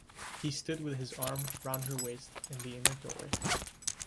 He stood with his arm round her waist in the inner doorway.